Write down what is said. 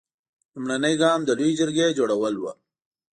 لومړنی ګام د لویې جرګې جوړول و.